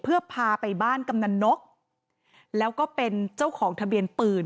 เพื่อพาไปบ้านกำนันนกแล้วก็เป็นเจ้าของทะเบียนปืน